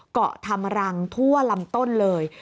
เกาะทำรังทั่วลำต้นเลย